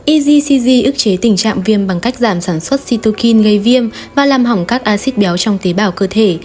egcg ước chế tình trạng viêm bằng cách giảm sản xuất situkin gây viêm và làm hỏng các acid béo trong tế bào cơ thể